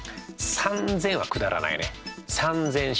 ３０００は下らないね３０００種類。